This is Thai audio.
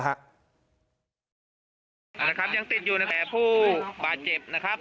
ยังติดอยู่แต่ผู้บาดเจ็บ